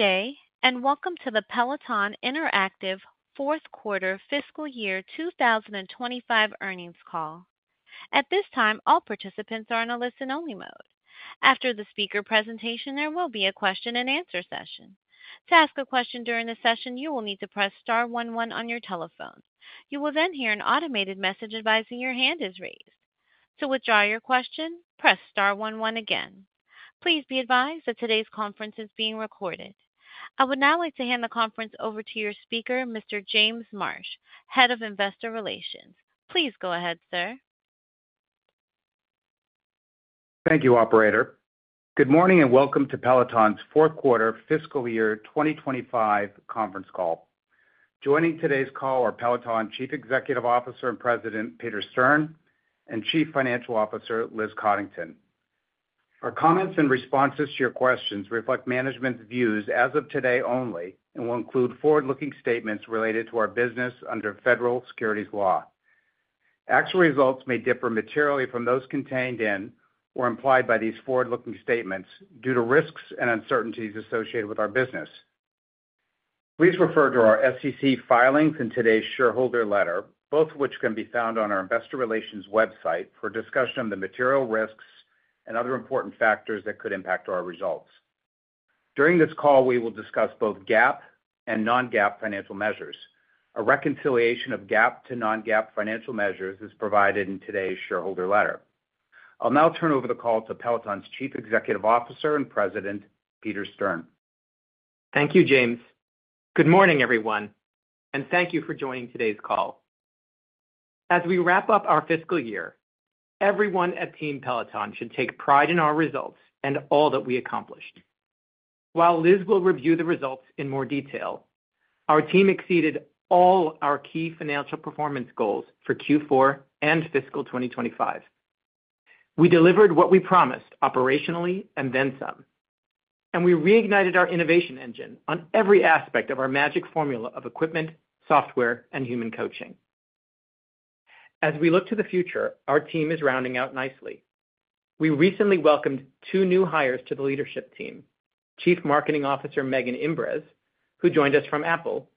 Today, and welcome to the Peloton Interactive Fourth Quarter Fiscal Year 2025 Earnings Call. At this time, all participants are in a listen-only mode. After the speaker presentation, there will be a question-and-answer session. To ask a question during the session, you will need to press Star one one on your telephone. You will then hear an automated message advising your hand is raised. To withdraw your question, press Star one one again. Please be advised that today's conference is being recorded. I would now like to hand the conference over to your speaker, Mr. James Marsh, Head of Investor Relations. Please go ahead, sir. Thank you, Operator. Good morning and welcome to Peloton's Fourth Quarter Fiscal Year 2025 Conference Call. Joining today's call are Peloton's Chief Executive Officer and President, Peter Stern, and Chief Financial Officer, Liz Coddington. Our comments and responses to your questions reflect management's views as of today only and will include forward-looking statements related to our business under Federal Securities Law. Actual results may differ materially from those contained in or implied by these forward-looking statements due to risks and uncertainties associated with our business. Please refer to our SEC filings and today's shareholder letter, both of which can be found on our Investor Relations website, for a discussion of the material risks and other important factors that could impact our results. During this call, we will discuss both GAAP and non-GAAP financial measures. A reconciliation of GAAP to non-GAAP financial measures is provided in today's shareholder letter. I'll now turn over the call to Peloton's Chief Executive Officer and President, Peter Stern. Thank you, James. Good morning, everyone, and thank you for joining today's call. As we wrap up our fiscal year, everyone at Team Peloton should take pride in our results and all that we accomplished. While Liz will review the results in more detail, our team exceeded all our key financial performance goals for Q4 and Fiscal 2025. We delivered what we promised operationally and then some, and we reignited our innovation engine on every aspect of our magic formula of equipment, software, and human coaching. As we look to the future, our team is rounding out nicely. We recently welcomed two new hires to the leadership team: Chief Marketing Officer, Megan Imbrez, who joined us from Apple,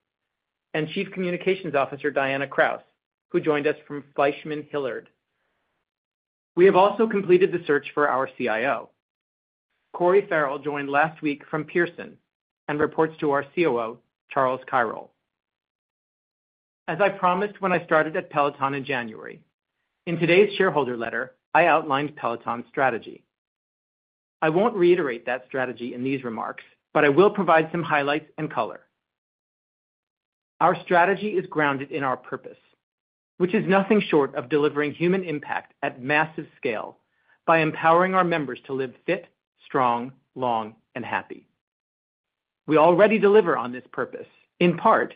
and Chief Communications Officer, Diana Kraus, who joined us from FleishmanHillard. We have also completed the search for our CIO. Corey Farrell joined last week from Pearson and reports to our COO, Charles Keirol. As I promised when I started at Peloton in January, in today's shareholder letter, I outlined Peloton's strategy. I won't reiterate that strategy in these remarks, but I will provide some highlights and color. Our strategy is grounded in our purpose, which is nothing short of delivering human impact at massive scale by empowering our members to live fit, strong, long, and happy. We already deliver on this purpose, in part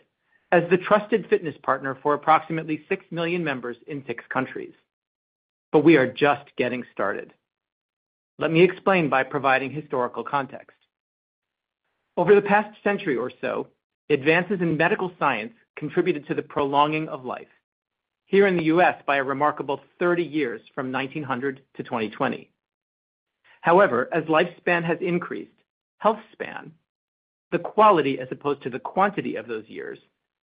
as the trusted fitness partner for approximately six` million members in six countries. We are just getting started. Let me explain by providing historical context. Over the past century or so, advances in medical science contributed to the prolonging of life, here in the U.S., by a remarkable 30 years from 1900-2020. However, as lifespan has increased, healthspan, the quality as opposed to the quantity of those years,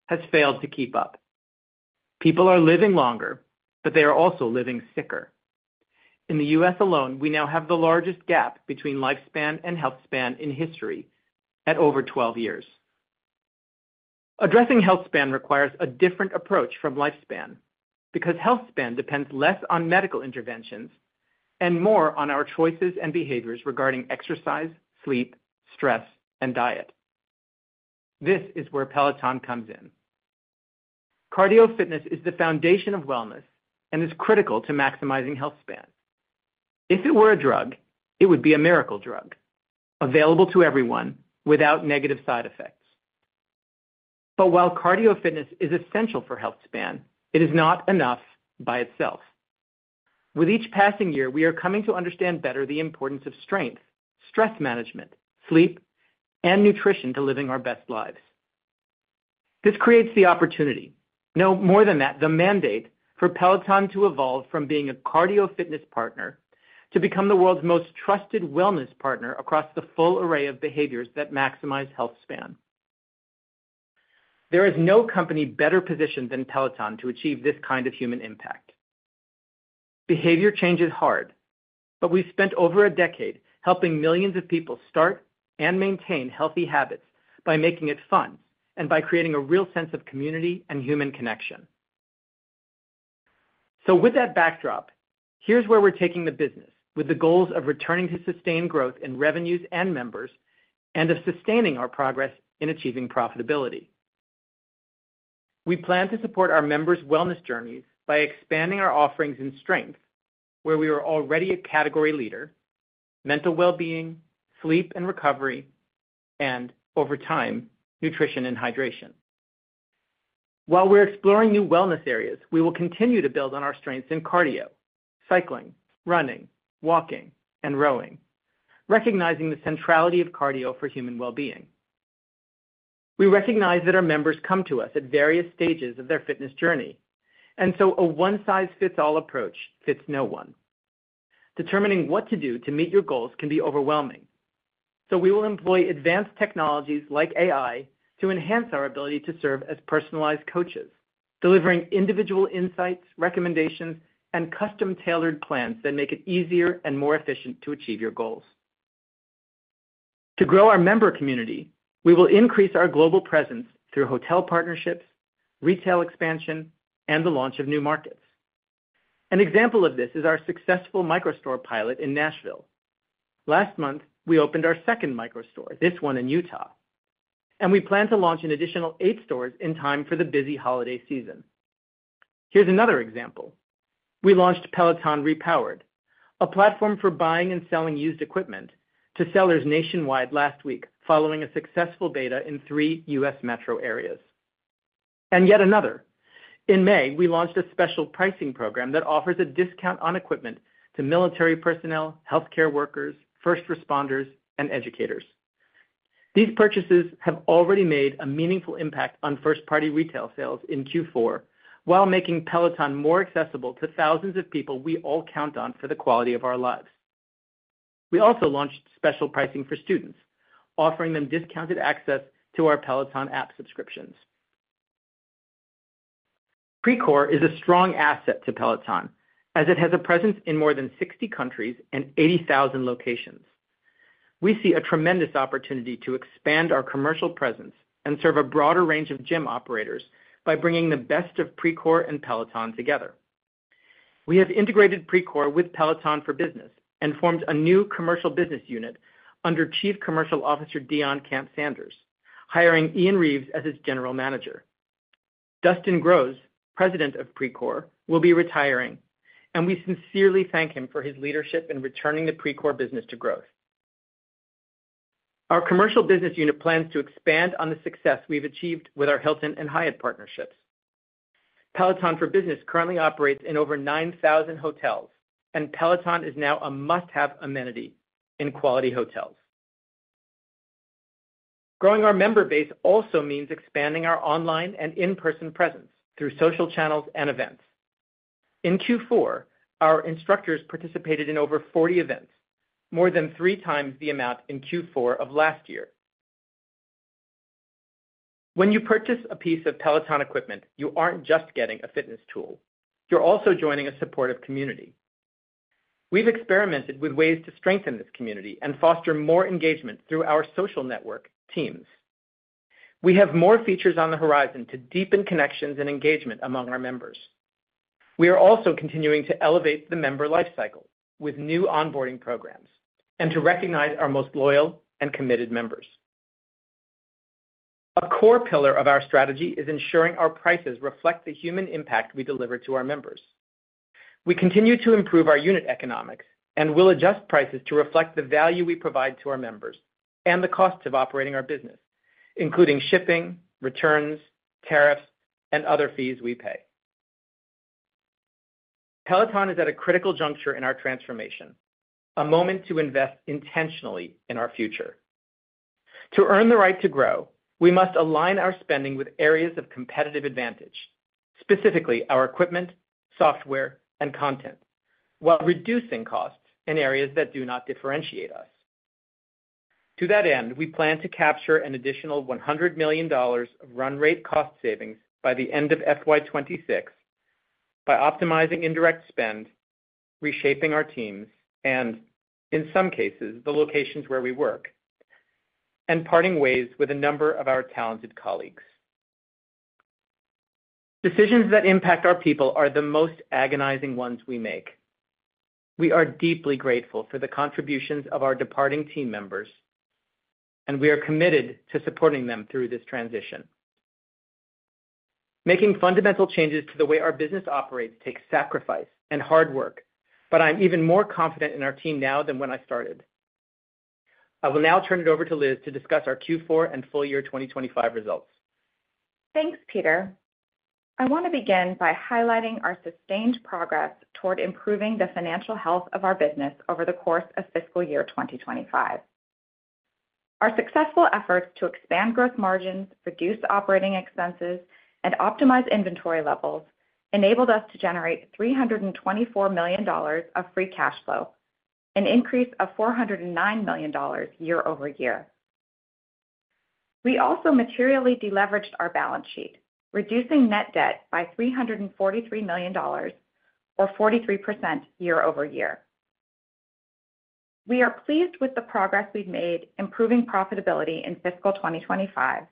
has failed to keep up. People are living longer, but they are also living sicker. In the U.S. alone, we now have the largest gap between lifespan and healthspan in history at over 12 years. Addressing healthspan requires a different approach from lifespan because healthspan depends less on medical interventions and more on our choices and behaviors regarding exercise, sleep, stress, and diet. This is where Peloton comes in. Cardio fitness is the foundation of wellness and is critical to maximizing healthspan. If it were a drug, it would be a miracle drug, available to everyone without negative side effects. While cardio fitness is essential for healthspan, it is not enough by itself. With each passing year, we are coming to understand better the importance of strength, stress management, sleep, and nutrition to living our best lives. This creates the opportunity, no more than that, the mandate for Peloton to evolve from being a cardio fitness partner to become the world's most trusted wellness partner across the full array of behaviors that maximize healthspan. There is no company better-positioned than Peloton to achieve this kind of human impact. Behavior change is hard, but we've spent over a decade helping millions of people start and maintain healthy habits by making it fun and by creating a real sense of community and human connection. With that backdrop, here's where we're taking the business with the goals of returning to sustained growth in revenues and members and of sustaining our progress in achieving profitability. We plan to support our members' wellness journeys by expanding our offerings in strength, where we are already a category leader, mental well-being, sleep and recovery, and over time, nutrition and hydration. While we're exploring new wellness areas, we will continue to build on our strengths in cardio, cycling, running, walking, and rowing, recognizing the centrality of cardio for human well-being. We recognize that our members come to us at various stages of their fitness journey, and a one-size-fits-all approach fits no one. Determining what to do to meet your goals can be overwhelming. We will employ advanced technologies like AI to enhance our ability to serve as personalized coaches, delivering individual insights, recommendations, and custom-tailored plans that make it easier and more efficient to achieve your goals. To grow our member community, we will increase our global presence through hotel partnerships, retail expansion, and the launch of new markets. An example of this is our successful microstore pilot in Nashville. Last month, we opened our second microstore, this one in Utah, and we plan to launch an additional eight stores in time for the busy holiday season. Another example is that we launched Peloton Repowered, a platform for buying and selling used equipment to sellers nationwide last week following a successful beta in three U.S. metro areas. In May, we launched a special pricing program that offers a discount on equipment to military personnel, healthcare workers, first responders, and educators. These purchases have already made a meaningful impact on first-party retail sales in Q4 while making Peloton more accessible to thousands of people we all count on for the quality of our lives. We also launched special pricing for students, offering them discounted access to our Peloton App subscriptions. Precor is a strong asset to Peloton as it has a presence in more than 60 countries and 80,000 locations. We see a tremendous opportunity to expand our commercial presence and serve a broader range of gym operators by bringing the best of Precor and Peloton together. We have integrated Precor with Peloton for Business and formed a new commercial business unit under Chief Commercial Officer, Deon Camp-Sanders, hiring Ian Reeves as its General Manager. Dustin Groves, President of Precor, will be retiring, and we sincerely thank him for his leadership in returning the Precor business to growth. Our commercial business unit plans to expand on the success we've achieved with our Hilton and Hyatt partnerships. Peloton for Business currently operates in over 9,000 hotels, and Peloton is now a must-have amenity in quality hotels. Growing our member base also means expanding our online and in-person presence through social channels and events. In Q4, our instructors participated in over 40 events, more than 3x the amount in Q4 of last year. When you purchase a piece of Peloton equipment, you aren't just getting a fitness tool. You're also joining a supportive community. We've experimented with ways to strengthen this community and foster more engagement through our social network, Teams. We have more features on the horizon to deepen connections and engagement among our members. We are also continuing to elevate the member lifecycle with new onboarding programs and to recognize our most loyal and committed members. A core pillar of our strategy is ensuring our prices reflect the human impact we deliver to our members. We continue to improve our unit economics and will adjust prices to reflect the value we provide to our members and the costs of operating our business, including shipping, returns, tariffs, and other fees we pay. Peloton is at a critical juncture in our transformation, a moment to invest intentionally in our future. To earn the right to grow, we must align our spending with areas of competitive advantage, specifically our equipment, software, and content, while reducing costs in areas that do not differentiate us. To that end, we plan to capture an additional $100 million of run rate cost savings by the end of FY 2026 by optimizing indirect spend, reshaping our teams, and in some cases, the locations where we work, and parting ways with a number of our talented colleagues. Decisions that impact our people are the most agonizing ones we make. We are deeply grateful for the contributions of our departing team members, and we are committed to supporting them through this transition. Making fundamental changes to the way our business operates takes sacrifice and hard work, but I'm even more confident in our team now than when I started. I will now turn it over to Liz to discuss our Q4 and full-year 2025 results. Thanks, Peter. I want to begin by highlighting our sustained progress toward improving the financial health of our business over the course of fiscal year 2025. Our successful efforts to expand gross margins, reduce operating expenses, and optimize inventory levels enabled us to generate $324 million of free cash flow, an increase of $409 million year-over-year. We also materially deleveraged our balance sheet, reducing net debt by $343 million, or 43% year-over-year. We are pleased with the progress we've made improving profitability in fiscal 2025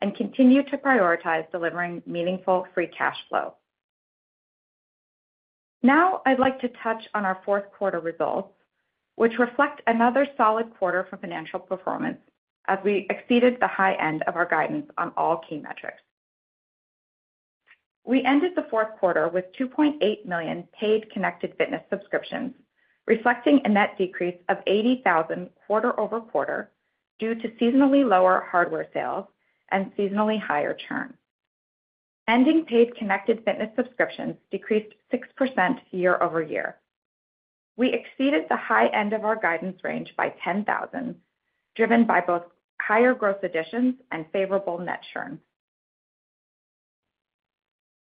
and continue to prioritize delivering meaningful free cash flow. Now, I'd like to touch on our fourth quarter results, which reflect another solid quarter for financial performance as we exceeded the high end of our guidance on all key metrics. We ended the fourth quarter with 2.8 million paid connected fitness subscriptions, reflecting a net decrease of 80,000 quarter-over-quarter due to seasonally lower hardware sales and seasonally higher churn. Ending paid connected fitness subscriptions decreased 6% year-over-year. We exceeded the high end of our guidance range by 10,000, driven by both higher gross additions and favorable net churn.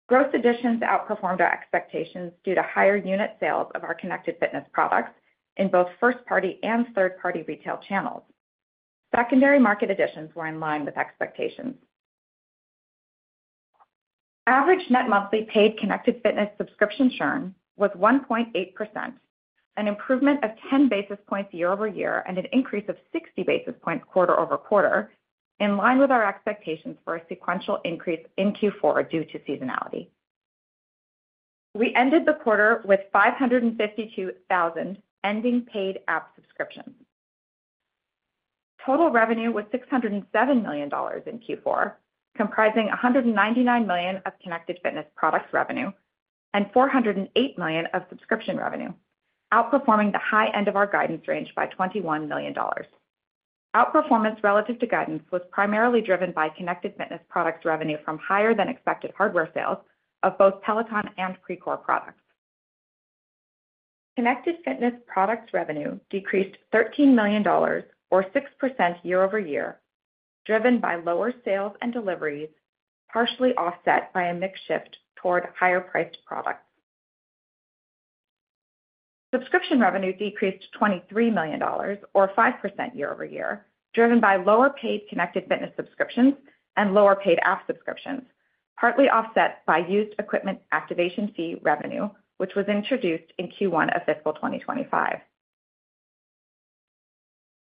Gross additions outperformed our expectations due to higher unit sales of our connected fitness products in both first-party and third-party retail channels. Secondary market additions were in line with expectations. Average net monthly paid connected fitness subscription churn was 1.8%, an improvement of 10 basis points year-over-year and an increase of 60 basis points quarter-over-quarter, in line with our expectations for a sequential increase in Q4 due to seasonality. We ended the quarter with 552,000 ending paid app subscriptions. Total revenue was $607 million in Q4, comprising $199 million of connected fitness products revenue and $408 million of subscription revenue, outperforming the high end of our guidance range by $21 million. Outperformance relative to guidance was primarily driven by connected fitness products revenue from higher than expected hardware sales of both Peloton and Precor products. Connected fitness products revenue decreased $13 million, or 6% year-over-year, driven by lower sales and deliveries, partially offset by a mix shift toward higher priced products. Subscription revenue decreased $23 million, or 5% year-over-year, driven by lower paid connected fitness subscriptions and lower paid app subscriptions, partly offset by used equipment activation fee revenue, which was introduced in Q1 of fiscal 2025.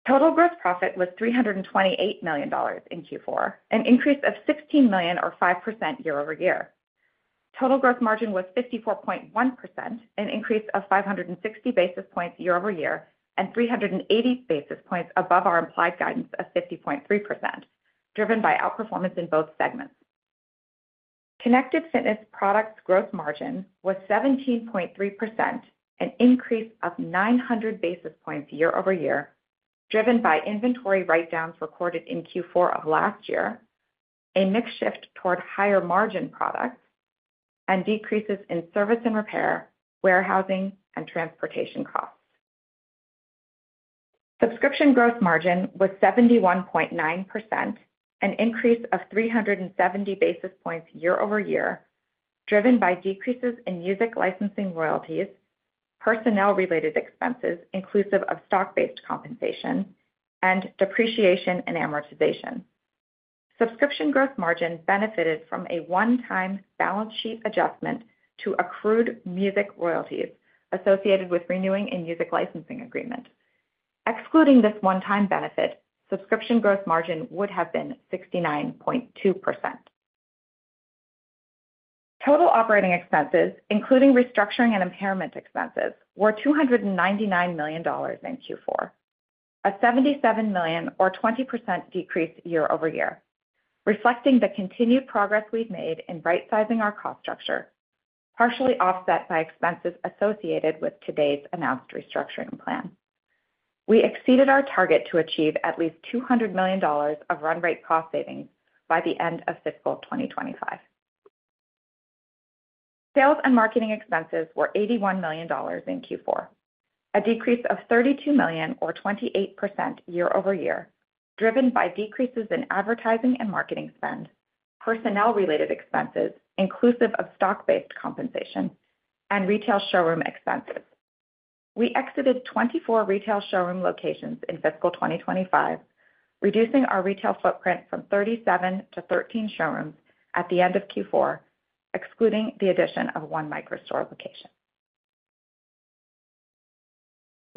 Total gross profit was $328 million in Q4, an increase of $16 million, or 5% year-over-year. Total gross margin was 54.1%, an increase of 560 basis points year-over-year, and 380 basis points above our implied guidance of 50.3%, driven by outperformance in both segments. Connected fitness products gross margin was 17.3%, an increase of 900 basis points year-over-year, driven by inventory write-downs recorded in Q4 of last year, a mix shift toward higher margin products, and decreases in service and repair, warehousing, and transportation costs. Subscription gross margin was 71.9%, an increase of 370 basis points year-over-year, driven by decreases in music licensing royalties, personnel-related expenses inclusive of stock-based compensation, and depreciation and amortization. Subscription gross margin benefited from a one-time balance sheet adjustment to accrued music royalties associated with renewing a music licensing agreement. Excluding this one-time benefit, subscription gross margin would have been 69.2%. Total operating expenses, including restructuring and impairment expenses, were $299 million in Q4, a $77 million, or 20% decrease year-over-year, reflecting the continued progress we've made in right-sizing our cost structure, partially offset by expenses associated with today's announced restructuring plan. We exceeded our target to achieve at least $200 million of run rate cost savings by the end of fiscal 2025. Sales and marketing expenses were $81 million in Q4, a decrease of $32 million, or 28% year-over-year, driven by decreases in advertising and marketing spend, personnel-related expenses inclusive of stock-based compensation, and retail showroom expenses. We exited 24 retail showroom locations in fiscal 2025, reducing our retail footprint from 37-13 showrooms at the end of Q4, excluding the addition of one microstore location.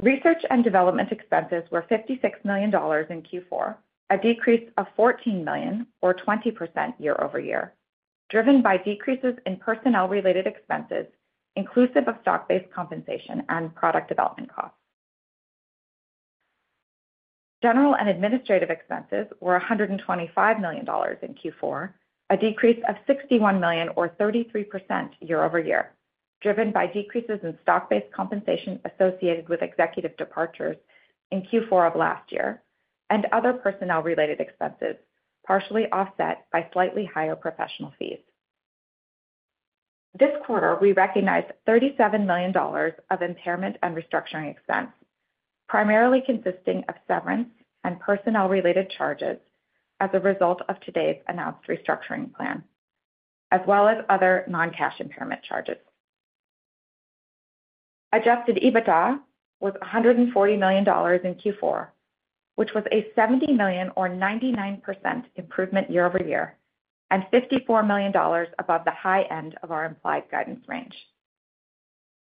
Research and development expenses were $56 million in Q4, a decrease of $14 million, or 20% year-over-year, driven by decreases in personnel-related expenses inclusive of stock-based compensation and product development costs. General and administrative expenses were $125 million in Q4, a decrease of $61 million, or 33% year-over-year, driven by decreases in stock-based compensation associated with executive departures in Q4 of last year and other personnel-related expenses, partially offset by slightly higher professional fees. This quarter, we recognized $37 million of impairment and restructuring expense, primarily consisting of severance and personnel-related charges as a result of today's announced restructuring plan, as well as other non-cash impairment charges. Adjusted EBITDA was $140 million in Q4, which was a $70 million, or 99% improvement year-over-year, and $54 million above the high end of our implied guidance range.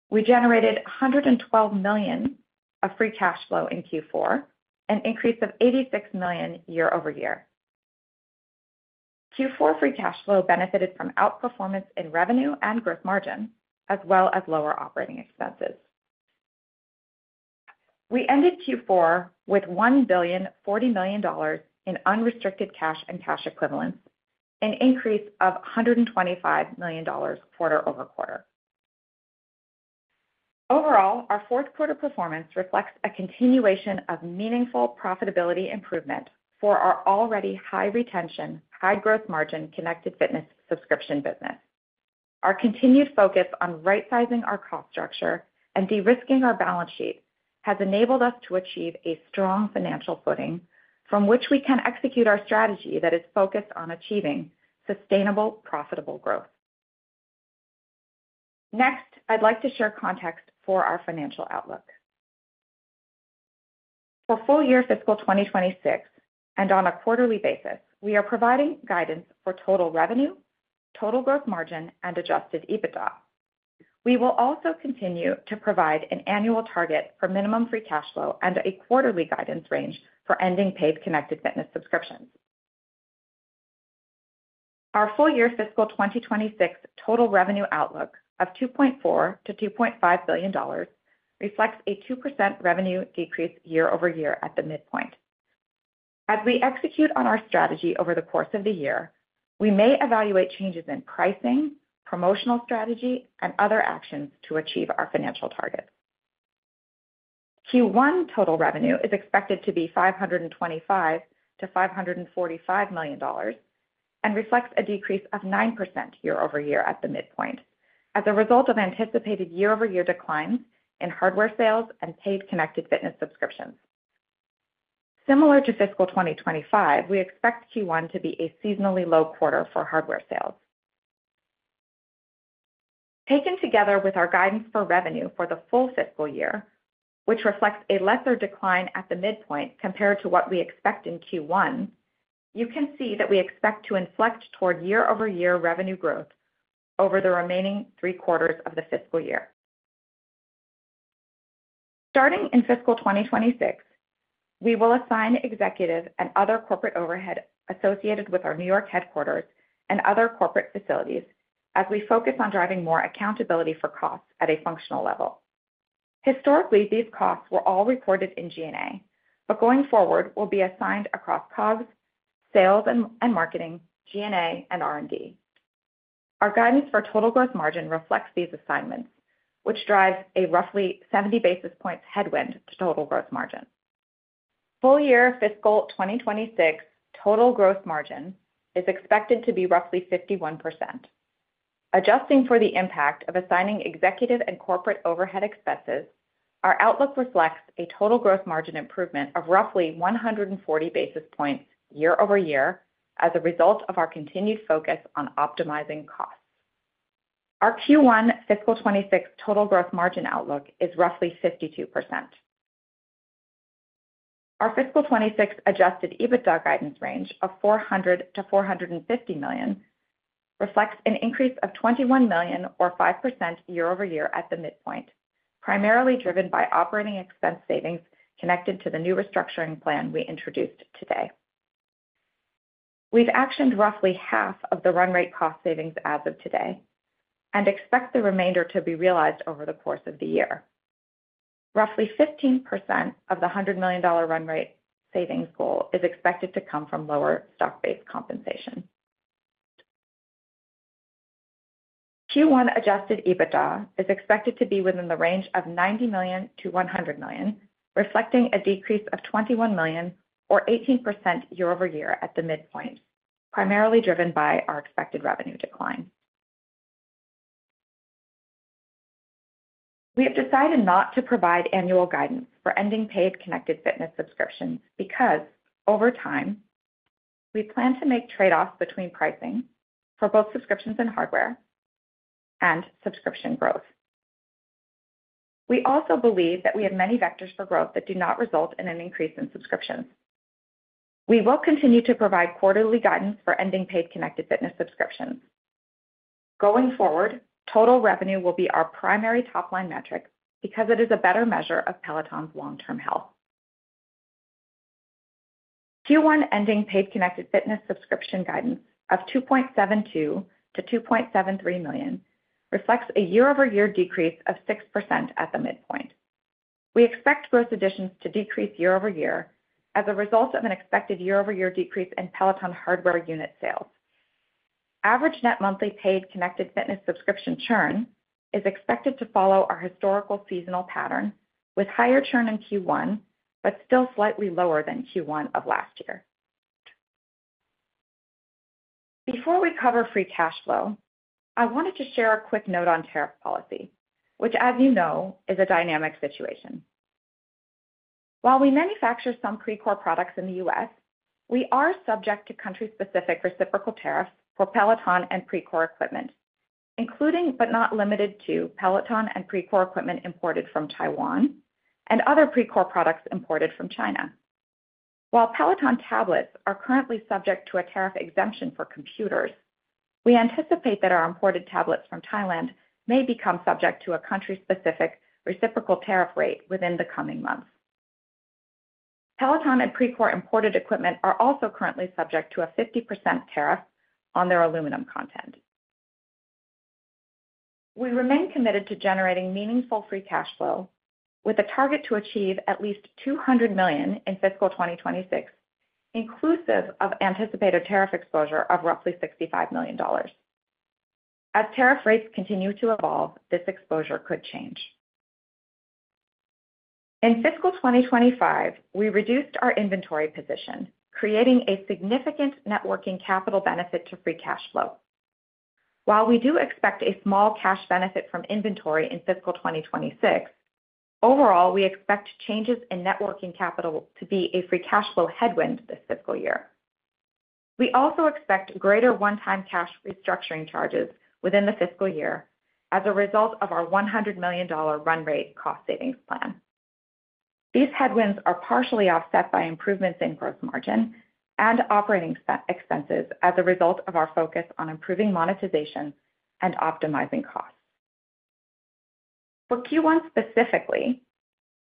We generated $112 million of free cash flow in Q4, an increase of $86 million year-over-year. Q4 free cash flow benefited from outperformance in revenue and gross margin, as well as lower operating expenses. We ended Q4 with $1.049 billion in unrestricted cash and cash equivalents, an increase of $125 million quarter-over-quarter. Overall, our fourth quarter performance reflects a continuation of meaningful profitability improvement for our already high retention, high gross margin connected fitness subscription business. Our continued focus on right-sizing our cost structure and de-risking our balance sheet has enabled us to achieve a strong financial footing from which we can execute our strategy that is focused on achieving sustainable, profitable growth. Next, I'd like to share context for our financial outlook. For full-year fiscal 2026 and on a quarterly basis, we are providing guidance for total revenue, total gross margin, and adjusted EBITDA. We will also continue to provide an annual target for minimum free cash flow and a quarterly guidance range for ending paid connected fitness subscriptions. Our full-year fiscal 2026 total revenue outlook of $2.4 billion-$2.5 billion reflects a 2% revenue decrease year-over-year at the midpoint. As we execute on our strategy over the course of the year, we may evaluate changes in pricing, promotional strategy, and other actions to achieve our financial targets. Q1 total revenue is expected to be $525 million-$545 million and reflects a decrease of 9% year-over-year at the midpoint as a result of anticipated year-over-year declines in hardware sales and paid connected fitness subscriptions. Similar to fiscal 2025, we expect Q1 to be a seasonally low quarter for hardware sales. Taken together with our guidance for revenue for the full fiscal year, which reflects a lesser decline at the midpoint compared to what we expect in Q1, you can see that we expect to inflect toward year-over-year revenue growth over the remaining three quarters of the fiscal year. Starting in fiscal 2026, we will assign executive and other corporate overhead associated with our New York headquarters and other corporate facilities as we focus on driving more accountability for costs at a functional level. Historically, these costs were all reported in G&A, but going forward, will be assigned across COGS, sales and marketing, G&A, and R&D. Our guidance for total gross margin reflects these assignments, which drives a roughly 70 basis points headwind to total gross margin. Full-year fiscal 2026 total gross margin is expected to be roughly 51%. Adjusting for the impact of assigning executive and corporate overhead expenses, our outlook reflects a total gross margin improvement of roughly 140 basis points year-over-year as a result of our continued focus on optimizing costs. Our Q1 fiscal 2026 total gross margin outlook is roughly 52%. Our fiscal 2026 adjusted EBITDA guidance range of $400 million-$450 million reflects an increase of $21 million, or 5% year-over-year at the midpoint, primarily driven by operating expense savings connected to the new restructuring plan we introduced today. We've actioned roughly half of the run rate cost savings as of today and expect the remainder to be realized over the course of the year. Roughly 15% of the $100 million run rate savings goal is expected to come from lower stock-based compensation. Q1 adjusted EBITDA is expected to be within the range of $90 million-$100 million, reflecting a decrease of $21 million, or 18% year-over-year at the midpoint, primarily driven by our expected revenue decline. We have decided not to provide annual guidance for ending paid connected fitness subscriptions because, over time, we plan to make trade-offs between pricing for both subscriptions and hardware and subscription growth. We also believe that we have many vectors for growth that do not result in an increase in subscriptions. We will continue to provide quarterly guidance for ending paid connected fitness subscriptions. Going forward, total revenue will be our primary top-line metric because it is a better measure of Peloton's long-term health. Q1 ending paid connected fitness subscription guidance of $2.72 million-$2.73 million reflects a year-over-year decrease of 6% at the midpoint. We expect gross additions to decrease year-over-year as a result of an expected year-over-year decrease in Peloton hardware unit sales. Average net monthly paid connected fitness subscription churn is expected to follow our historical seasonal pattern, with higher churn in Q1, but still slightly lower than Q1 of last year. Before we cover free cash flow, I wanted to share a quick note on tariff policy, which, as you know, is a dynamic situation. While we manufacture some Precor products in the U.S., we are subject to country-specific reciprocal tariffs for Peloton and Precor equipment, including but not limited to Peloton and Precor equipment imported from Taiwan and other Precor products imported from China. While Peloton tablets are currently subject to a tariff exemption for computers, we anticipate that our imported tablets from Thailand may become subject to a country-specific reciprocal tariff rate within the coming months. Peloton and Precor imported equipment are also currently subject to a 50% tariff on their aluminum content. We remain committed to generating meaningful free cash flow, with a target to achieve at least $200 million in fiscal 2026, inclusive of anticipated tariff exposure of roughly $65 million. As tariff rates continue to evolve, this exposure could change. In fiscal 2025, we reduced our inventory position, creating a significant net working capital benefit to free cash flow. While we do expect a small cash benefit from inventory in fiscal 2026, overall, we expect changes in net working capital to be a free cash flow headwind this fiscal year. We also expect greater one-time cash restructuring charges within the fiscal year as a result of our $100 million run rate cost savings plan. These headwinds are partially offset by improvements in gross margin and operating expenses as a result of our focus on improving monetization and optimizing costs. For Q1 specifically,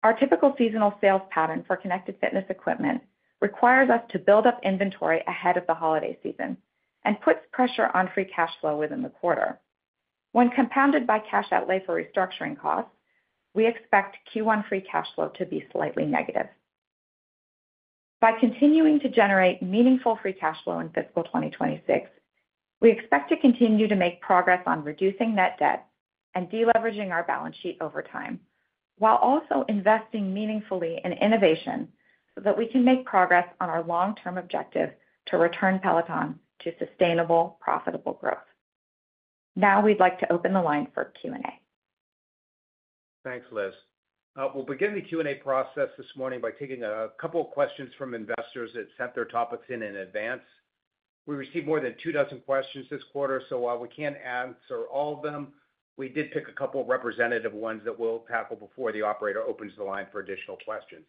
our typical seasonal sales pattern for connected fitness equipment requires us to build up inventory ahead of the holiday season and puts pressure on free cash flow within the quarter. When compounded by cash outlay for restructuring costs, we expect Q1 free cash flow to be slightly negative. By continuing to generate meaningful free cash flow in fiscal 2026, we expect to continue to make progress on reducing net debt and deleveraging our balance sheet over time, while also investing meaningfully in innovation so that we can make progress on our long-term objective to return Peloton to sustainable, profitable growth. Now, we'd like to open the line for Q&A. Thanks, Liz. We'll begin the Q&A process this morning by taking a couple of questions from investors that sent their topics in advance. We received more than two dozen questions this quarter. While we can't answer all of them, we did pick a couple of representative ones that we'll tackle before the operator opens the line for additional questions.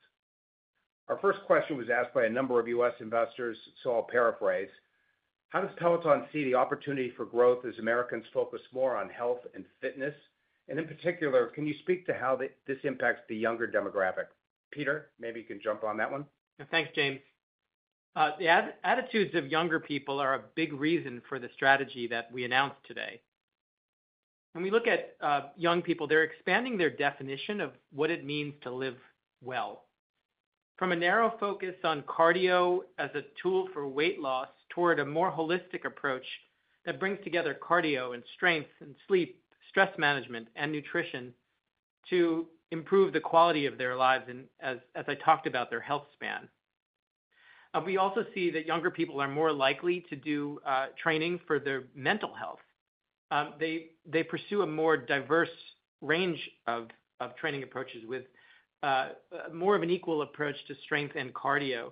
Our first question was asked by a number of U.S. investors, so I'll paraphrase. How does Peloton see the opportunity for growth as Americans focus more on health and fitness? In particular, can you speak to how this impacts the younger demographic? Peter, maybe you can jump on that one. Thanks, James. The attitudes of younger people are a big reason for the strategy that we announced today. When we look at young people, they're expanding their definition of what it means to live well. From a narrow focus on cardio as a tool for weight loss toward a more holistic approach that brings together cardio and strength and sleep, stress management, and nutrition to improve the quality of their lives and, as I talked about, their healthspan. We also see that younger people are more likely to do training for their mental health. They pursue a more diverse range of training approaches with more of an equal approach to strength and cardio.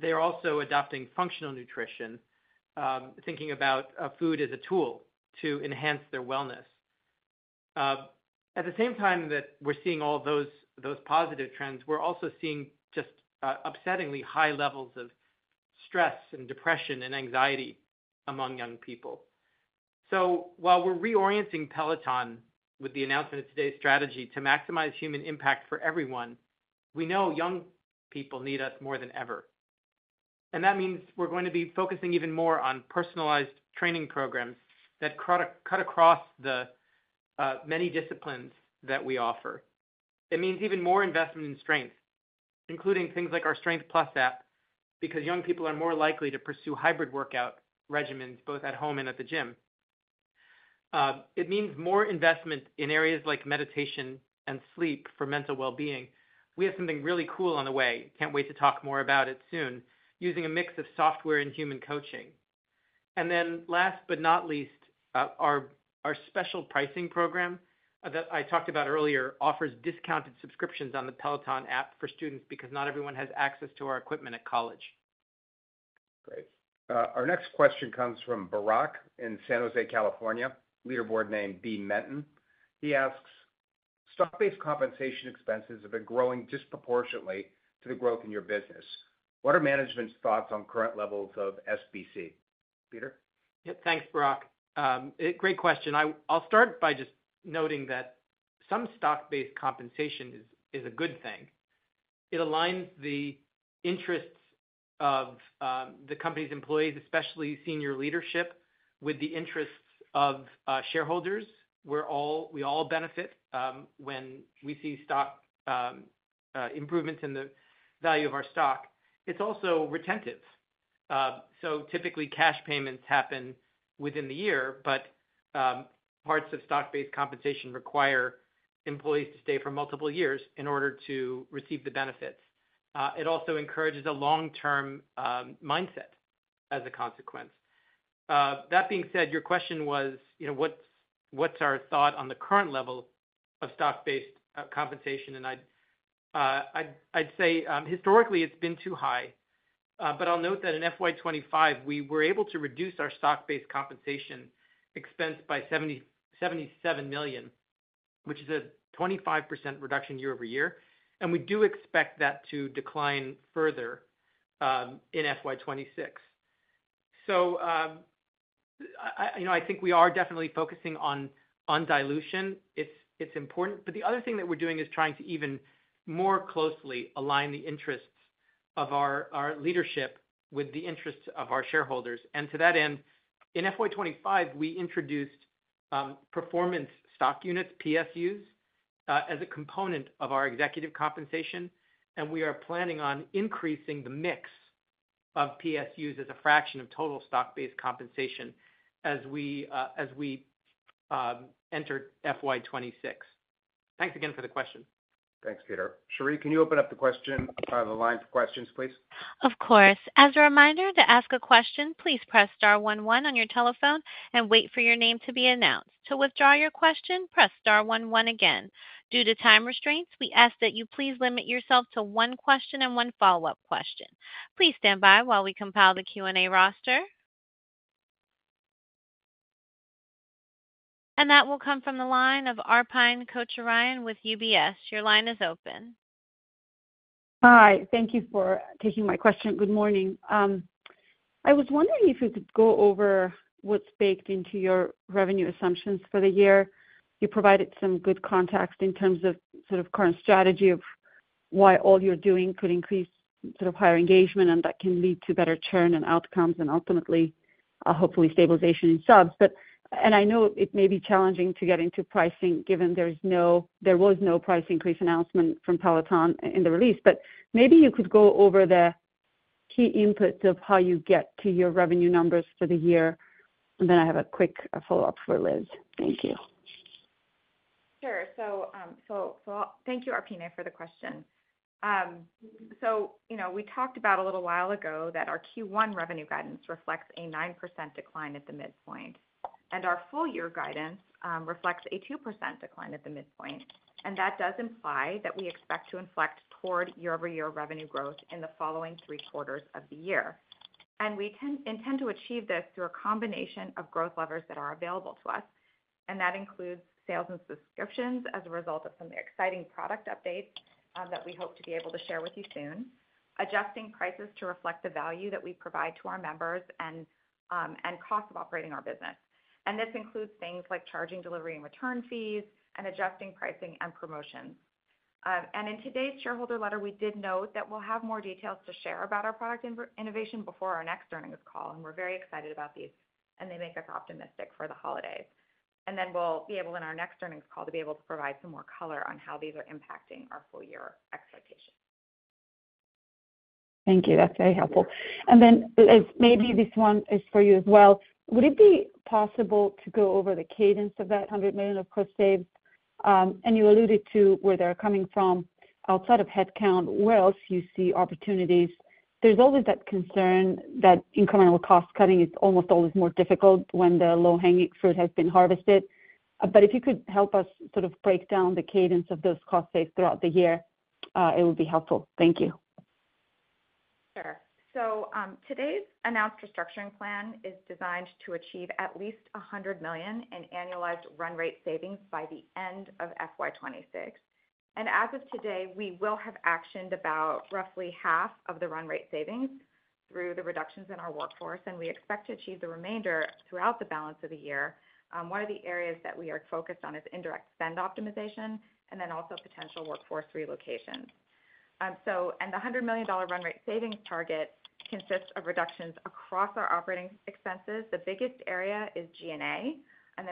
They're also adopting functional nutrition, thinking about food as a tool to enhance their wellness. At the same time that we're seeing all those positive trends, we're also seeing just upsettingly high levels of stress and depression and anxiety among young people. While we're reorienting Peloton with the announcement of today's strategy to maximize human impact for everyone, we know young people need us more than ever. That means we're going to be focusing even more on personalized training programs that cut across the many disciplines that we offer. It means even more investment in strength, including things like our Strength+ app, because young people are more likely to pursue hybrid workout regimens both at home and at the gym. It means more investment in areas like meditation and sleep for mental well-being. We have something really cool on the way. Can't wait to talk more about it soon, using a mix of software and human coaching. Last but not least, our special pricing program that I talked about earlier offers discounted subscriptions on the Peloton App for students because not everyone has access to our equipment at college. Great. Our next question comes from Barack in San Jose, California, leaderboard named B Menton. He asks, "Stock-based compensation expenses have been growing disproportionately to the growth in your business. What are management's thoughts on current levels of SBC?" Peter? Yep, thanks, Barack. Great question. I'll start by just noting that some stock-based compensation is a good thing. It aligns the interests of the company's employees, especially senior leadership, with the interests of shareholders. We all benefit when we see stock improvements in the value of our stock. It's also retentive. Typically, cash payments happen within the year, but parts of stock-based compensation require employees to stay for multiple years in order to receive the benefits. It also encourages a long-term mindset as a consequence. That being said, your question was, you know, what's our thought on the current level of stock-based compensation? I'd say, historically, it's been too high. I'll note that in FY 2025, we were able to reduce our stock-based compensation expense by $77 million, which is a 25% reduction year-over-year. We do expect that to decline further in FY 2026. I think we are definitely focusing on dilution. It's important. The other thing that we're doing is trying to even more closely align the interests of our leadership with the interests of our shareholders. To that end, in FY 2025, we introduced performance stock units, PSUs, as a component of our executive compensation. We are planning on increasing the mix of PSUs as a fraction of total stock-based compensation as we enter FY 2026. Thanks again for the question. Thanks, Peter. Sheree, can you open up the question part of the line for questions, please? Of course. As a reminder, to ask a question, please press Star one one on your telephone and wait for your name to be announced. To withdraw your question, press Star one one again. Due to time restraints, we ask that you please limit yourself to one question and one follow-up question. Please stand by while we compile the Q&A roster. That will come from the line of Arpine Kocharyan with UBS. Your line is open. Hi. Thank you for taking my question. Good morning. I was wondering if you could go over what's baked into your revenue assumptions for the year. You provided some good context in terms of current strategy of why all you're doing could increase higher engagement, and that can lead to better churn and outcomes and ultimately, hopefully, stabilization in subs. I know it may be challenging to get into pricing given there was no price increase announcement from Peloton in the release. Maybe you could go over the key inputs of how you get to your revenue numbers for the year, and then I have a quick follow-up for Liz. Thank you. Thank you, Arpine, for the question. We talked about a little while ago that our Q1 revenue guidance reflects a 9% decline at the midpoint, and our full-year guidance reflects a 2% decline at the midpoint. That does imply that we expect to inflect toward year-over-year revenue growth in the following three quarters of the year. We intend to achieve this through a combination of growth levers that are available to us, including sales and subscriptions as a result of some exciting product updates that we hope to be able to share with you soon, adjusting prices to reflect the value that we provide to our members, and cost of operating our business. This includes things like charging delivery and return fees and adjusting pricing and promotions. In today's shareholder letter, we did note that we'll have more details to share about our product innovation before our next earnings call. We're very excited about these, and they make us optimistic for the holidays. In our next earnings call, we'll be able to provide some more color on how these are impacting our full-year expectations. Thank you. That's very helpful. Maybe this one is for you as well. Would it be possible to go over the cadence of that $100 million of cost saved? You alluded to where they're coming from outside of headcount. Where else do you see opportunities? There's always that concern that incremental cost cutting is almost always more difficult when the low-hanging fruit has been harvested. If you could help us sort of break down the cadence of those costs saved throughout the year, it would be helpful. Thank you. Today's announced restructuring plan is designed to achieve at least $100 million in annualized run rate savings by the end of FY 2026. As of today, we will have actioned about roughly half of the run rate savings through the reductions in our workforce. We expect to achieve the remainder throughout the balance of the year. One of the areas that we are focused on is indirect spend optimization and also potential workforce relocations. The $100 million run rate savings target consists of reductions across our operating expenses. The biggest area is G&A.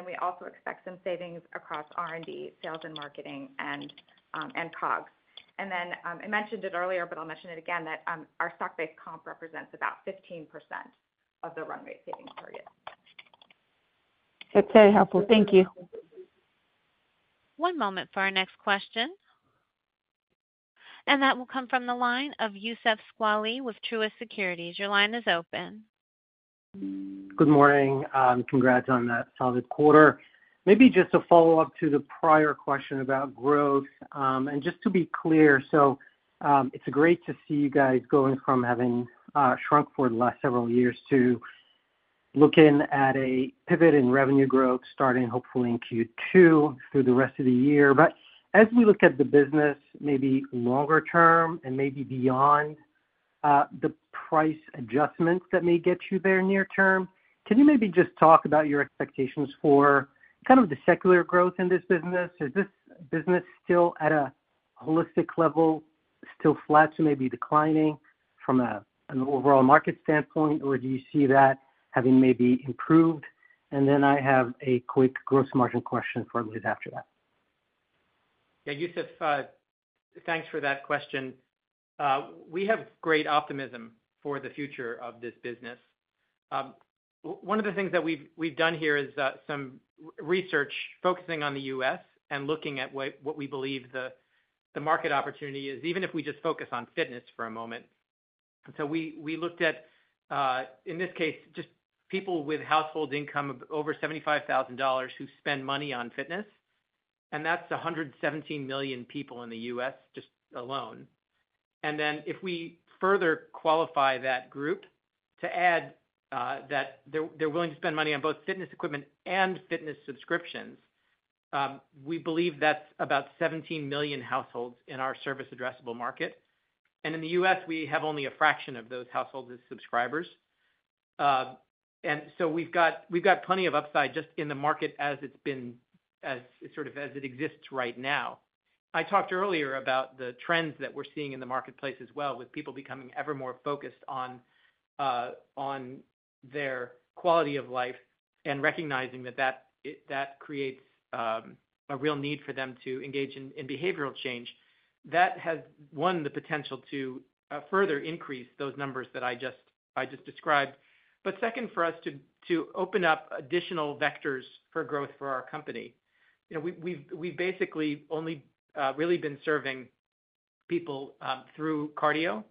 We also expect some savings across R&D, sales and marketing, and COGS. I mentioned it earlier, but I'll mention it again, that our stock-based comp represents about 15% of the run rate savings target. That's very helpful. Thank you. One moment for our next question. That will come from the line of Youssef Squali with Truist Securities. Your line is open. Good morning. Congrats on that solid quarter. Maybe just a follow-up to the prior question about growth. Just to be clear, it's great to see you guys going from having shrunk for the last several years to looking at a pivot in revenue growth, starting hopefully in Q2 through the rest of the year. As we look at the business, maybe longer term and maybe beyond the price adjustments that may get you there near term, can you maybe just talk about your expectations for kind of the secular growth in this business? Is this business still at a holistic level, still flat to maybe declining from an overall market standpoint, or do you see that having maybe improved? I have a quick gross margin question from Liz after that. Yeah, Youssef, thanks for that question. We have great optimism for the future of this business. One of the things that we've done here is some research focusing on the U.S. and looking at what we believe the market opportunity is, even if we just focus on fitness for a moment. We looked at, in this case, just people with household income of over $75,000 who spend money on fitness. That's 117 million people in the U.S. just alone. If we further qualify that group to add that they're willing to spend money on both fitness equipment and fitness subscriptions, we believe that's about 17 million households in our service-addressable market. In the U.S., we have only a fraction of those households as subscribers. We've got plenty of upside just in the market as it's been, as sort of as it exists right now. I talked earlier about the trends that we're seeing in the marketplace as well, with people becoming ever more focused on their quality of life and recognizing that that creates a real need for them to engage in behavioral change. That has the potential to further increase those numbers that I just described. For us, it opens up additional vectors for growth for our company. We've basically only really been serving people through cardio.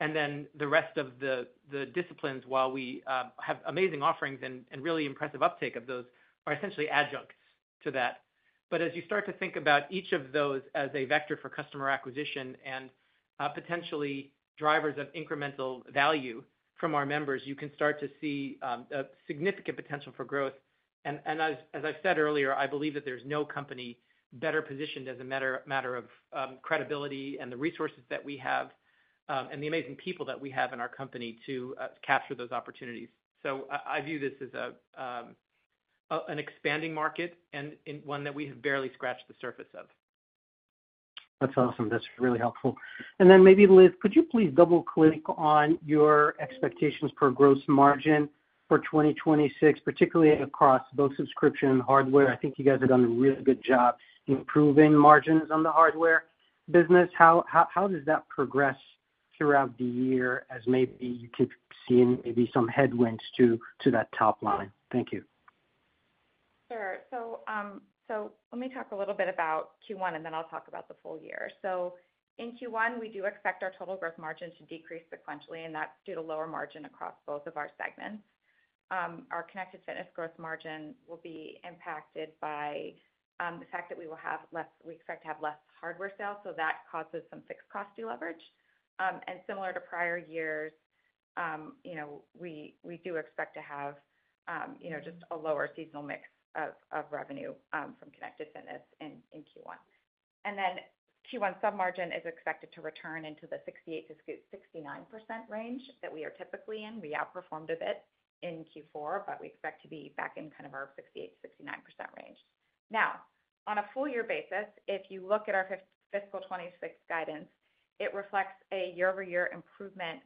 The rest of the disciplines, while we have amazing offerings and really impressive uptake of those, are essentially adjuncts to that. As you start to think about each of those as a vector for customer acquisition and potentially drivers of incremental value from our members, you can start to see a significant potential for growth. As I've said earlier, I believe that there's no company better positioned as a matter of credibility and the resources that we have and the amazing people that we have in our company to capture those opportunities. I view this as an expanding market and one that we have barely scratched the surface of. That's awesome. That's really helpful. Liz, could you please double-click on your expectations for gross margin for 2026, particularly across both subscription and hardware? I think you guys have done a really good job improving margins on the hardware business. How does that progress throughout the year as you keep seeing maybe some headwinds to that top line? Thank you. Sure. Let me talk a little bit about Q1, and then I'll talk about the full year. In Q1, we do expect our total gross margin to decrease sequentially, and that's due to lower margin across both of our segments. Our connected fitness gross margin will be impacted by the fact that we will have less, we expect to have less hardware sales. That causes some fixed cost to leverage. Similar to prior years, you know, we do expect to have just a lower seasonal mix of revenue from connected fitness in Q1. Q1 submargin is expected to return into the 68%-69% range that we are typically in. We outperformed a bit in Q4, but we expect to be back in kind of our 68%-69% range. Now, on a full-year basis, if you look at our fiscal 2026 guidance, it reflects a year-over-year improvement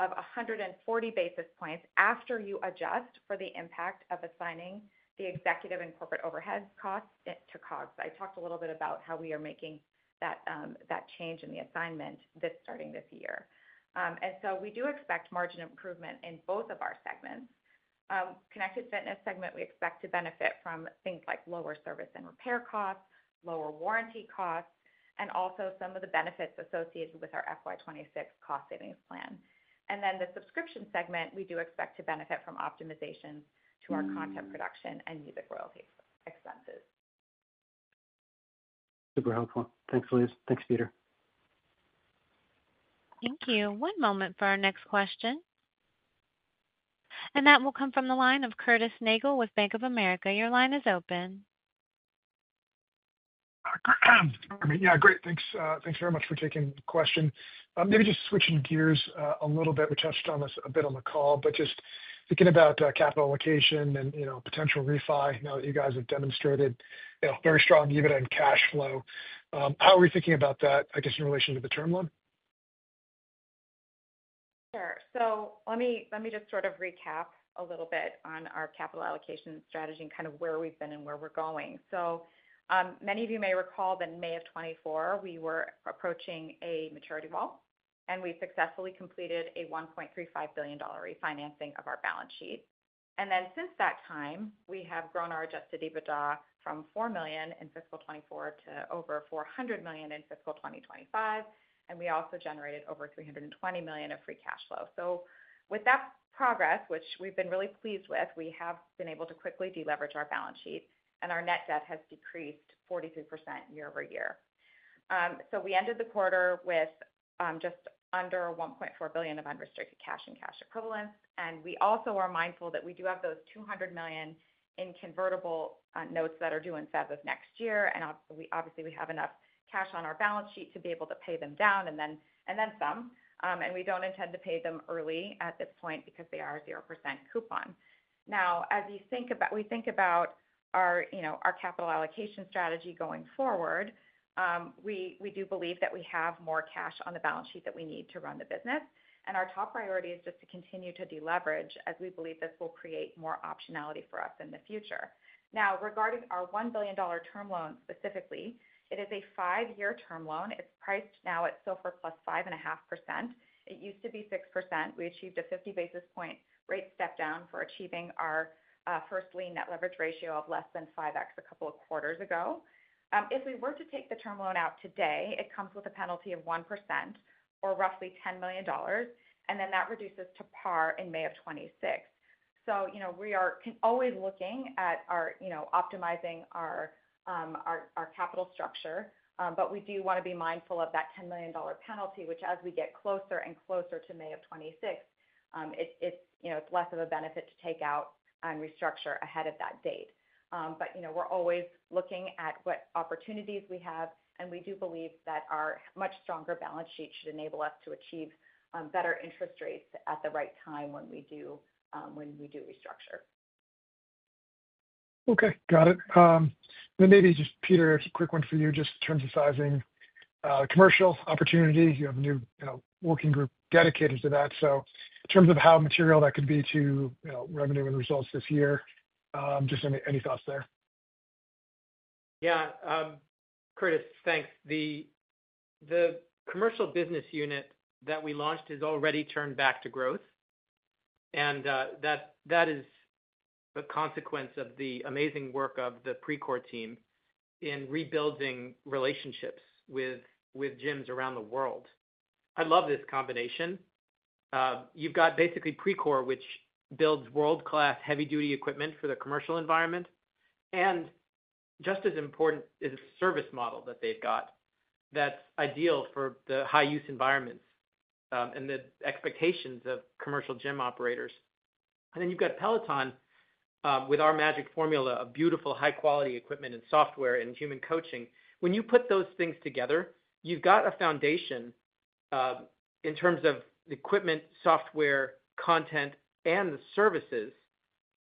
of 140 basis points after you adjust for the impact of assigning the executive and corporate overheads costs to COGS. I talked a little bit about how we are making that change in the assignment starting this year. We do expect margin improvement in both of our segments. Connected fitness segment, we expect to benefit from things like lower service and repair costs, lower warranty costs, and also some of the benefits associated with our FY 2026 cost savings plan. The subscription segment, we do expect to benefit from optimizations to our content production and music royalty expenses. Super helpful. Thanks, Liz. Thanks, Peter. Thank you. One moment for our next question. That will come from the line of Curtis Nagle with Bank of America. Your line is open. Yeah, great. Thanks very much for taking the question. Maybe just switching gears a little bit. We touched on this a bit on the call, just thinking about capital allocation and potential refi now that you guys have demonstrated very strong EBITDA and cash flow. How are we thinking about that, I guess, in relation to the term loan? Sure. Let me just sort of recap a little bit on our capital allocation strategy and kind of where we've been and where we're going. Many of you may recall that in May of 2024, we were approaching a maturity wall, and we successfully completed a $1.35 billion refinancing of our balance sheet. Since that time, we have grown our adjusted EBITDA from $4 million in fiscal 2024 to over $400 million in fiscal 2025. We also generated over $320 million of free cash flow. With that progress, which we've been really pleased with, we have been able to quickly deleverage our balance sheet, and our net debt has decreased 43% year-over-year. We ended the quarter with just under $1.4 billion of unrestricted cash and cash equivalents. We also are mindful that we do have those $200 million in convertible notes that are due in February of next year. Obviously, we have enough cash on our balance sheet to be able to pay them down and then some. We don't intend to pay them early at this point because they are a 0% coupon. Now, as we think about our capital allocation strategy going forward, we do believe that we have more cash on the balance sheet than we need to run the business. Our top priority is just to continue to deleverage as we believe this will create more optionality for us in the future. Regarding our $1 billion term loan specifically, it is a five-year term loan. It's priced now at SOFR plus 5.5%. It used to be 6%. We achieved a 50 basis point rate step down for achieving our first lien net leverage ratio of less than 5x a couple of quarters ago. If we were to take the term loan out today, it comes with a penalty of 1% or roughly $10 million. That reduces to par in May of 2026. We are always looking at optimizing our capital structure, but we do want to be mindful of that $10 million penalty, which as we get closer and closer to May of 2026, it's less of a benefit to take out and restructure ahead of that date. We're always looking at what opportunities we have, and we do believe that our much stronger balance sheet should enable us to achieve better interest rates at the right time when we do restructure. Okay. Got it. Peter, a quick one for you, just in terms of sizing commercial opportunities. You have a new working group dedicated to that. In terms of how material that could be to revenue and results this year, just any thoughts there? Yeah, Curtis, thanks. The commercial business unit that we launched has already turned back to growth. That is a consequence of the amazing work of the Precor team in rebuilding relationships with gyms around the world. I love this combination. You've got basically Precor, which builds world-class heavy-duty equipment for the commercial environment. Just as important is a service model that they've got that's ideal for the high-use environments and the expectations of commercial gym operators. You've got Peloton with our magic formula of beautiful high-quality equipment and software and human coaching. When you put those things together, you've got a foundation in terms of the equipment, software, content, and the services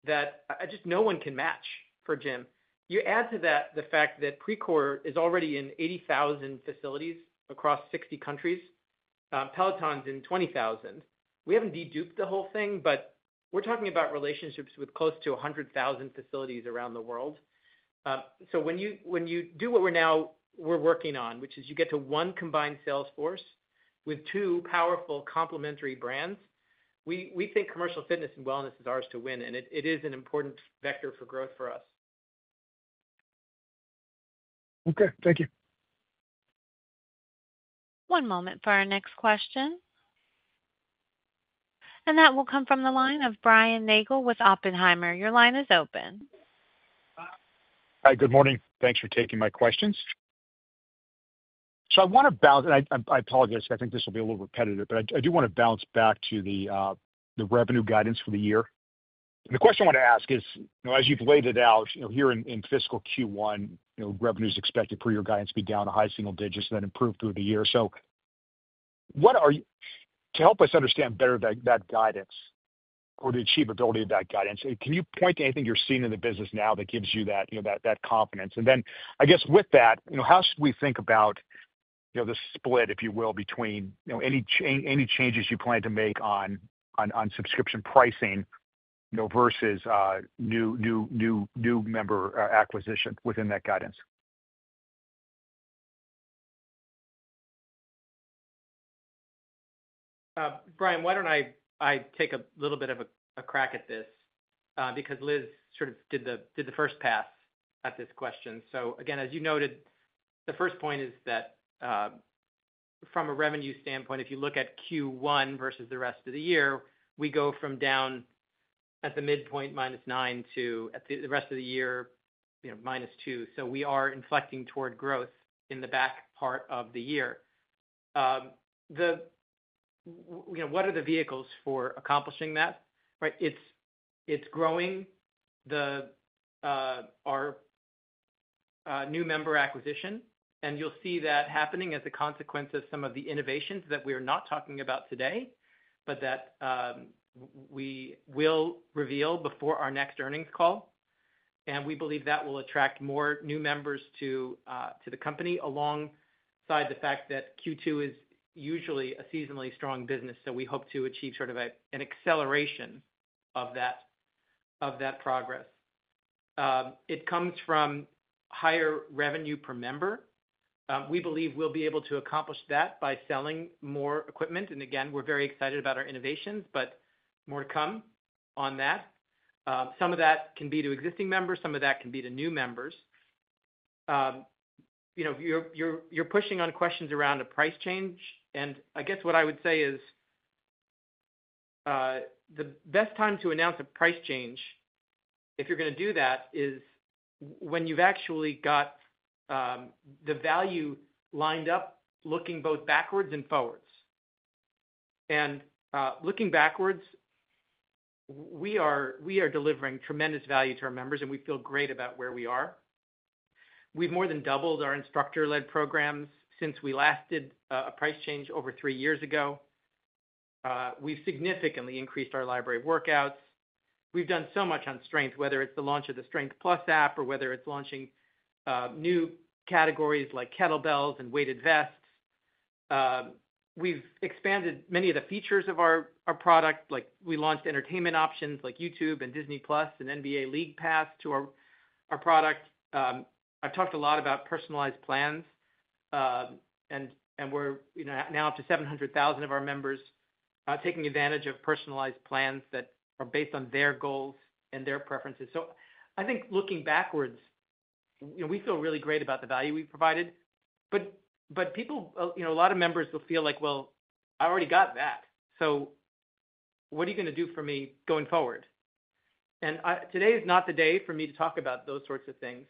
that just no one can match for gym. You add to that the fact that Precor is already in 80,000 facilities across 60 countries. Peloton's in 20,000. We haven't deduped the whole thing, but we're talking about relationships with close to 100,000 facilities around the world. When you do what we're now working on, which is you get to one combined sales force with two powerful complementary brands, we think commercial fitness and wellness is ours to win. It is an important vector for growth for us. Okay, thank you. One moment for our next question. That will come from the line of Brian William Nagel with Oppenheimer. Your line is open. Hi. Good morning. Thanks for taking my questions. I want to balance, and I apologize, I think this will be a little repetitive, but I do want to bounce back to the revenue guidance for the year. The question I want to ask is, as you've laid it out, here in fiscal Q1, revenue is expected per your guidance to be down to high single digits and then improve through the year. What are you seeing to help us understand better that guidance or the achievability of that guidance? Can you point to anything you're seeing in the business now that gives you that confidence? I guess with that, how should we think about the split, if you will, between any changes you plan to make on subscription pricing versus new member acquisition within that guidance? Brian, why don't I take a little bit of a crack at this? Because Liz sort of did the first pass at this question. As you noted, the first point is that from a revenue standpoint, if you look at Q1 versus the rest of the year, we go from down at the midpoint -9% to at the rest of the year, -2%. We are inflecting toward growth in the back part of the year. What are the vehicles for accomplishing that? It's growing our new member acquisition. You'll see that happening as a consequence of some of the innovations that we are not talking about today, but that we will reveal before our next earnings call. We believe that will attract more new members to the company, alongside the fact that Q2 is usually a seasonally strong business. We hope to achieve an acceleration of that progress. It comes from higher revenue per member. We believe we'll be able to accomplish that by selling more equipment. We're very excited about our innovations, but more to come on that. Some of that can be to existing members. Some of that can be to new members. You're pushing on questions around a price change. What I would say is the best time to announce a price change, if you're going to do that, is when you've actually got the value lined up, looking both backwards and forwards. Looking backwards, we are delivering tremendous value to our members, and we feel great about where we are. We've more than doubled our instructor-led programs since we last did a price change over three years ago. We've significantly increased our library workouts. We've done so much on strength, whether it's the launch of the Strength+ app or launching new categories like kettlebells and weighted vests. We've expanded many of the features of our product, like we launched entertainment options like YouTube and Disney+ and NBA League Pass to our product. I've talked a lot about personalized plans. We're now up to 700,000 of our members taking advantage of personalized plans that are based on their goals and their preferences. I think looking backwards, we feel really great about the value we've provided. A lot of members will feel like, well, I already got that. What are you going to do for me going forward? Today is not the day for me to talk about those sorts of things.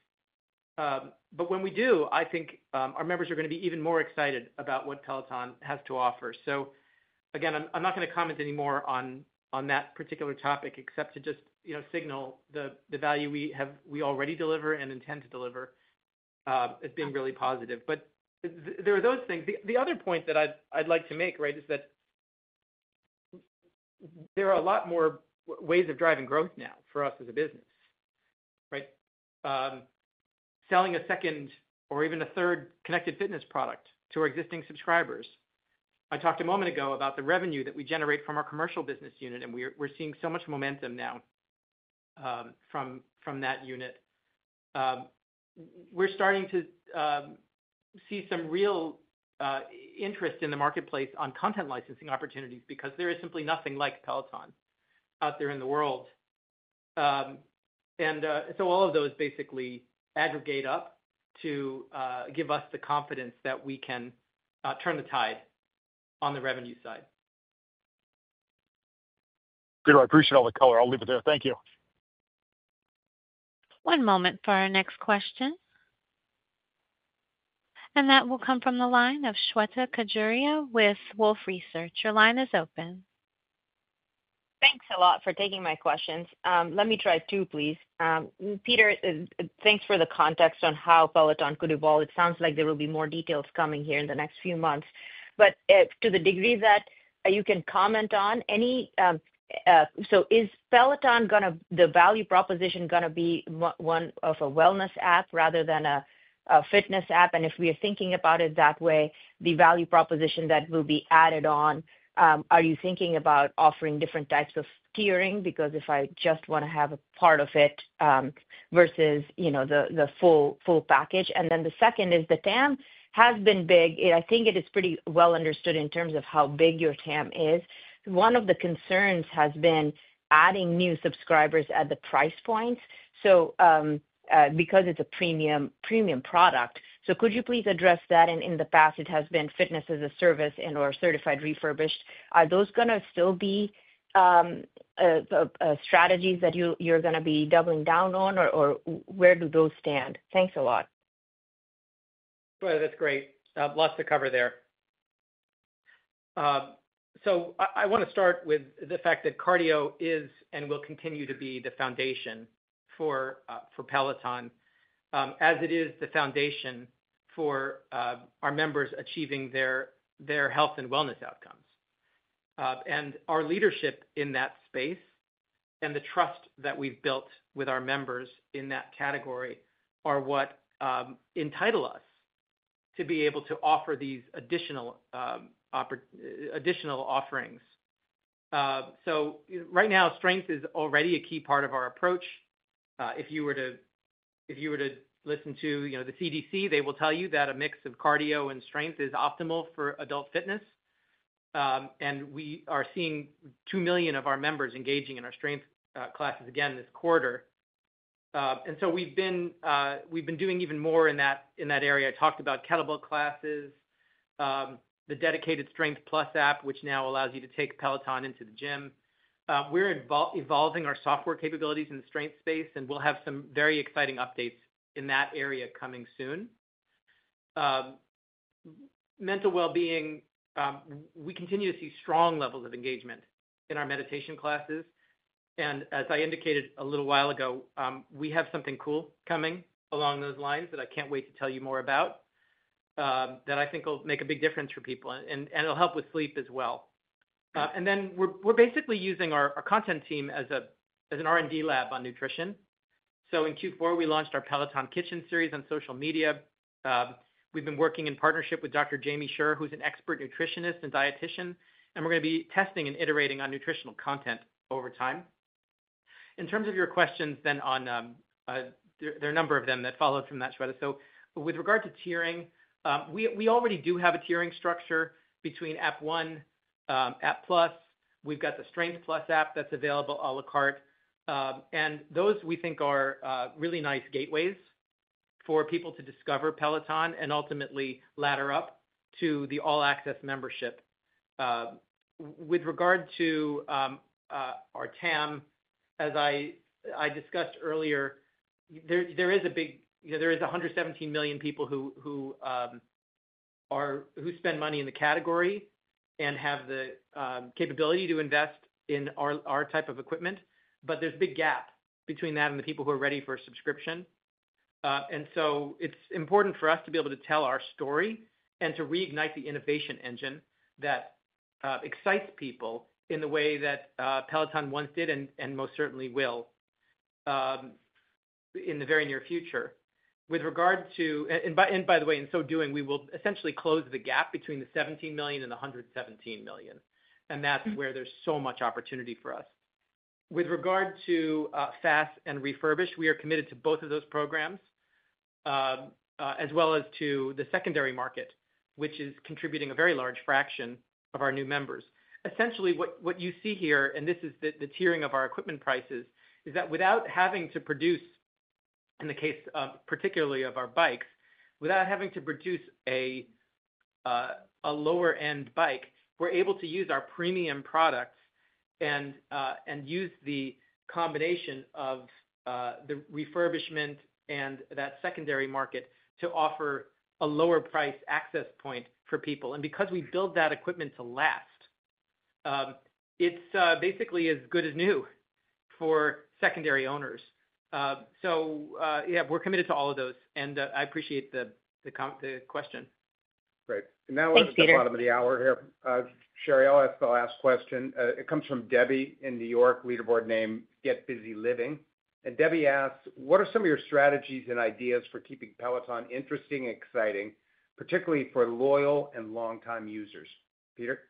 When we do, I think our members are going to be even more excited about what Peloton has to offer. I'm not going to comment anymore on that particular topic except to just signal the value we already deliver and intend to deliver as being really positive. There are those things. The other point that I'd like to make is that there are a lot more ways of driving growth now for us as a business. Selling a second or even a third connected fitness product to our existing subscribers. I talked a moment ago about the revenue that we generate from our commercial business unit, and we're seeing so much momentum now from that unit. We're starting to see some real interest in the marketplace on content licensing opportunities because there is simply nothing like Peloton out there in the world. All of those basically aggregate up to give us the confidence that we can turn the tide on the revenue side. Peter, I appreciate all the color. I'll leave it there. Thank you. One moment for our next question. That will come from the line of Shweta Khajuria with Wolfe Research. Your line is open. Thanks a lot for taking my questions. Let me try two, please. Peter, thanks for the context on how Peloton could evolve. It sounds like there will be more details coming here in the next few months. To the degree that you can comment on any, is Peloton going to, the value proposition going to be one of a wellness app rather than a fitness app? If we are thinking about it that way, the value proposition that will be added on, are you thinking about offering different types of tiering? If I just want to have a part of it versus the full package. The second is the TAM has been big. I think it is pretty well understood in terms of how big your TAM is. One of the concerns has been adding new subscribers at the price points because it's a premium product. Could you please address that? In the past, it has been fitness as a service and/or certified refurbished. Are those going to still be strategies that you're going to be doubling down on, or where do those stand? Thanks a lot. That's great. Lots to cover there. I want to start with the fact that cardio is and will continue to be the foundation for Peloton, as it is the foundation for our members achieving their health and wellness outcomes. Our leadership in that space and the trust that we've built with our members in that category are what entitle us to be able to offer these additional offerings. Right now, strength is already a key part of our approach. If you were to listen to the CDC, they will tell you that a mix of cardio and strength is optimal for adult fitness. We are seeing two million of our members engaging in our strength classes again this quarter, and we've been doing even more in that area. I talked about kettlebell classes, the dedicated Strength+ app, which now allows you to take Peloton into the gym. We're evolving our software capabilities in the strength space, and we'll have some very exciting updates in that area coming soon. Mental well-being, we continue to see strong levels of engagement in our meditation classes. As I indicated a little while ago, we have something cool coming along those lines that I can't wait to tell you more about that I think will make a big difference for people. It'll help with sleep as well. We're basically using our content team as an R&D lab on nutrition. In Q4, we launched our Peloton Kitchen series on social media. We've been working in partnership with Dr. Jamie Schur, who's an expert nutritionist and dietitian. We're going to be testing and iterating on nutritional content over time. In terms of your questions, there are a number of them that followed from that, Shweta. With regard to tiering, we already do have a tiering structure between App One, App Plus. We've got the Strength+ app that's available à la carte, and those we think are really nice gateways for people to discover Peloton and ultimately ladder up to the all-access membership. With regard to our TAM, as I discussed earlier, there is a big, there is 117 million people who spend money in the category and have the capability to invest in our type of equipment. There's a big gap between that and the people who are ready for a subscription. It's important for us to be able to tell our story and to reignite the innovation engine that excites people in the way that Peloton once did and most certainly will in the very near future. By the way, in so doing, we will essentially close the gap between the 17 million and the 117 million. That is where there's so much opportunity for us. With regard to Fast and Refurbish, we are committed to both of those programs as well as to the secondary market, which is contributing a very large fraction of our new members. Essentially, what you see here, and this is the tiering of our equipment prices, is that without having to produce, in the case particularly of our bikes, without having to produce a lower-end bike, we're able to use our premium products and use the combination of the refurbishment and that secondary market to offer a lower price access point for people. Because we build that equipment to last, it's basically as good as new for secondary owners. Yes, we're committed to all of those. I appreciate the question. Great. Now we're at the bottom of the hour here. Sheree, I'll ask the last question. It comes from Debbie in New York, leaderboard name Get Busy Living. Debbie asks, "What are some of your strategies and ideas for keeping Peloton interesting and exciting, particularly for loyal and long-time users?" Peter?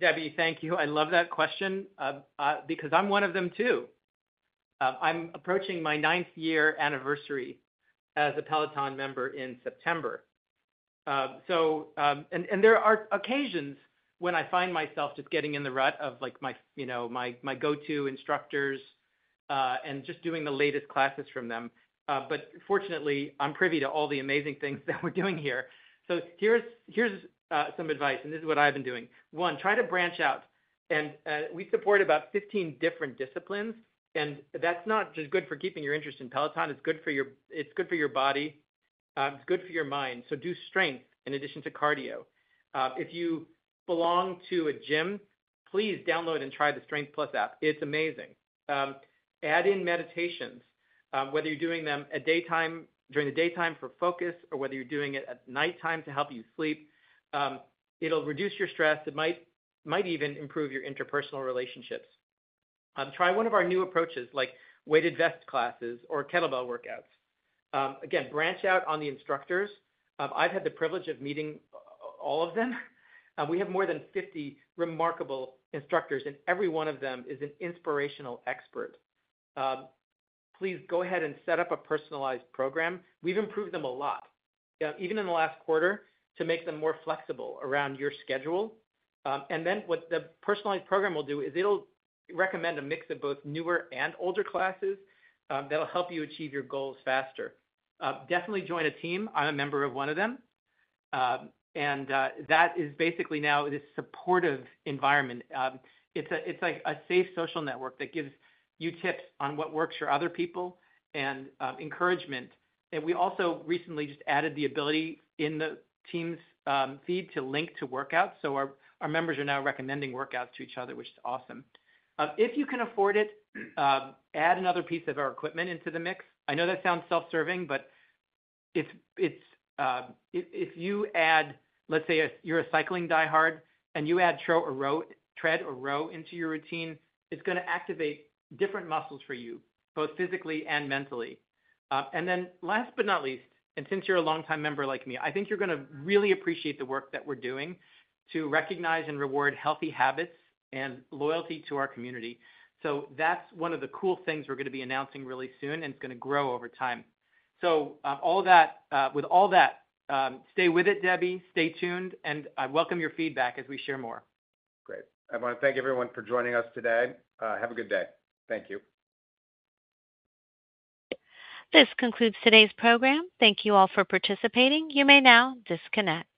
Debbie, thank you. I love that question because I'm one of them too. I'm approaching my ninth-year anniversary as a Peloton member in September. There are occasions when I find myself just getting in the rut of my go-to instructors and just doing the latest classes from them. Fortunately, I'm privy to all the amazing things that we're doing here. Here's some advice, and this is what I've been doing. One, try to branch out. We support about 15 different disciplines, and that's not just good for keeping your interest in Peloton. It's good for your body. It's good for your mind. Do strength in addition to cardio. If you belong to a gym, please download and try the Strength+ app. It's amazing. Add in meditations, whether you're doing them during the daytime for focus or whether you're doing it at nighttime to help you sleep. It'll reduce your stress. It might even improve your interpersonal relationships. Try one of our new approaches, like weighted vest classes or kettlebell workouts. Again, branch out on the instructors. I've had the privilege of meeting all of them. We have more than 50 remarkable instructors, and every one of them is an inspirational expert. Please go ahead and set up a personalized program. We've improved them a lot, even in the last quarter, to make them more flexible around your schedule. What the personalized program will do is it'll recommend a mix of both newer and older classes that'll help you achieve your goals faster. Definitely join a team. I'm a member of one of them, and that is basically now this supportive environment. It's like a safe social network that gives you tips on what works for other people and encouragement. We also recently just added the ability in the team's feed to link to workouts. Our members are now recommending workouts to each other, which is awesome. If you can afford it, add another piece of our equipment into the mix. I know that sounds self-serving, but if you add, let's say you're a cycling diehard and you add tread or row into your routine, it's going to activate different muscles for you, both physically and mentally. Last but not least, and since you're a long-time member like me, I think you're going to really appreciate the work that we're doing to recognize and reward healthy habits and loyalty to our community. That's one of the cool things we're going to be announcing really soon, and it's going to grow over time. With all that, stay with it, Debbie. Stay tuned. I welcome your feedback as we share more. Great. I want to thank everyone for joining us today. Have a good day. Thank you. This concludes today's program. Thank you all for participating. You may now disconnect.